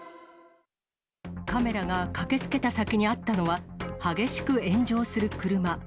カメラが駆けつけた先にあったのは、激しく炎上する車。